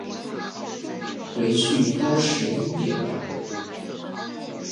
回去都十一点了